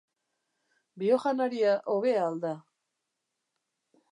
Bio janaria hobea al da?